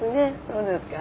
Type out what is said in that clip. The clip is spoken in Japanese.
そうですか？